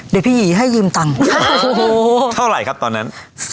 เดี๋ยวพี่หีให้ยืมตังค์เท่าไหร่ครับตอนนั้น